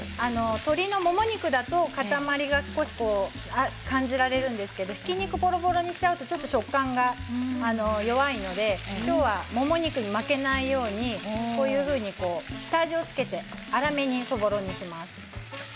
鶏のもも肉だと固まりが感じられるんですけれどもひき肉をぼろぼろにしてしまうとちょっと食感が弱いので今日は、もも肉に負けないようにこういうふうに今日は下味を付けて粗めのそぼろにします。